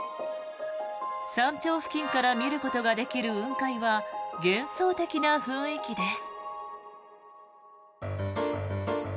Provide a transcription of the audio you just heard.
山頂付近から見ることができる雲海は幻想的な雰囲気です。